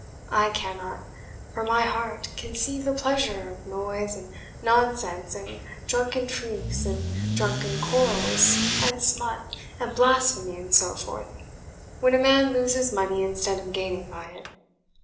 I cannot, for my heart, conceive the pleasure of noise, and nonsense, and drunken freaks, and drunken quarrels, and smut, and blasphemy, and so forth, when a man loses money instead of gaining by it.